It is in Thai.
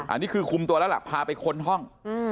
อันนี้คือคุมตัวแล้วล่ะพาไปค้นห้อง